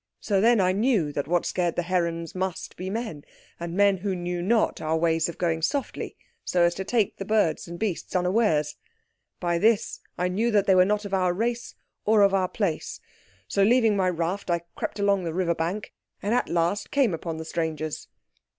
So then I knew that what scared the herons must be men, and men who knew not our ways of going softly so as to take the birds and beasts unawares. By this I knew they were not of our race or of our place. So, leaving my raft, I crept along the river bank, and at last came upon the strangers.